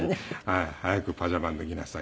早くパジャマ脱ぎなさい